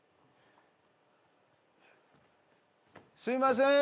すいません！